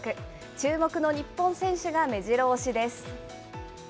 注目の日本選手がめじろ押しです。